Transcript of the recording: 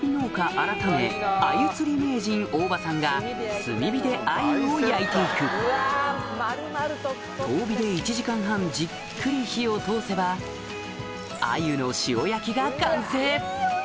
改め鮎釣り名人大庭さんが炭火で鮎を焼いていく遠火で１時間半じっくり火を通せばが完成